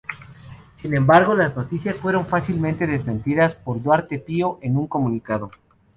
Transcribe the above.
Sin embargo, las noticias fueron fácilmente desmentidas por Duarte Pio, en un comunicado.